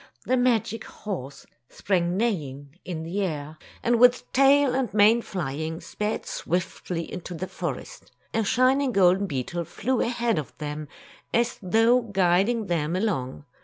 The magic horse sprang neigh ing in the air, and with tail and mane flying, sped swiftly into the forest. A shining golden beetle flew ahead of them, as though guiding them along.